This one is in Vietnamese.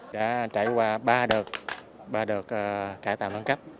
đã trải qua ba đợt ba đợt cải tạo nâng cấp